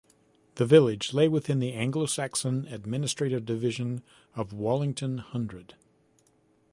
The village lay within the Anglo-Saxon administrative division of Wallington hundred.